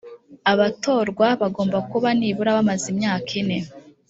abatorwa bagomba kuba nibura bamaze imyaka ine.